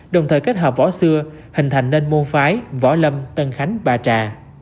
đồng thời kết hợp võ xưa hình thành nên môn phái võ lâm tân khánh bà trà